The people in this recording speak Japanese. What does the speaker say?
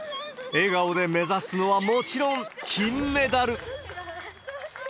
笑顔で目指すのはもちろん金メダル。